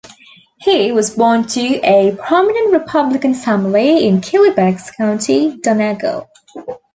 He was born to a prominent republican family in Killybegs, County Donegal.